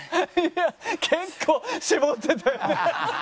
結構絞ってたよね。